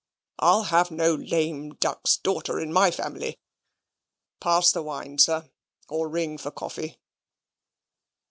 I'll have no lame duck's daughter in my family. Pass the wine, sir or ring for coffee."